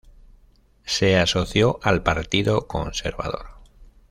Se asoció al Partido Conservador.